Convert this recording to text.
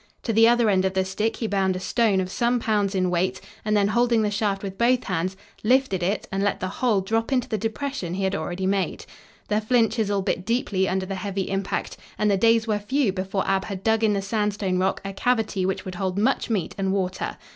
To the other end of the stick he bound a stone of some pounds in weight and then, holding the shaft with both hands, lifted it and let the whole drop into the depression he had already made. The flint chisel bit deeply under the heavy impact and the days were few before Ab had dug in the sandstone rock a cavity which would hold much meat and water.